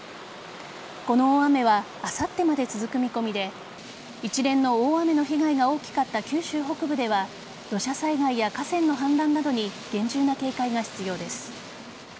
この大雨はあさってまで続く見込みで一連の大雨の被害が大きかった九州北部では土砂災害や河川の氾濫などに厳重に警戒が必要です。